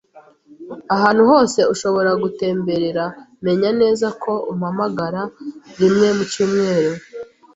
Ahantu hose ushobora gutemberera, menya neza ko umpamagara rimwe mu cyumweru.